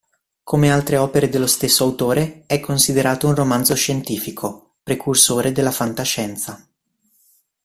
Come altre opere dello stesso autore, è considerato un romanzo scientifico, precursore della fantascienza.